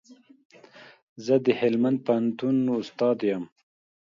زه د هلمند پوهنتون استاد يم